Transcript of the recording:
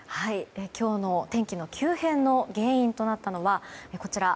今日の天気の急変の原因となったのはこちら。